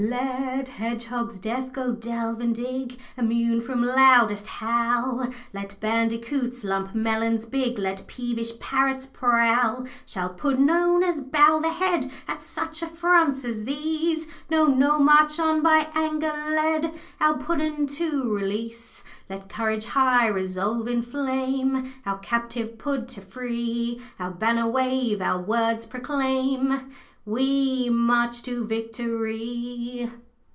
'Let hedgehogs deaf go delve and dig, Immune from loudest howl, Let bandicoots lump melons big, Let peevish parrots prowl. 'Shall puddin' owners bow the head At such affronts as these? No, No! March on, by anger led, Our Puddin' to release. 'Let courage high resolve inflame Our captive Pud to free; Our banner wave, our words proclaim We march to victory!'